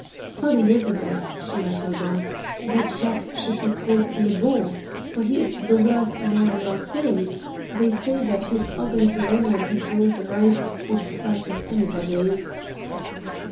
Funny, isn't it," she rattled on, "that Jacques should be called 'Le Bon,' for he is the worst man in Marseilles? They say that his ugly grin when he draws a knife would frighten anybody!"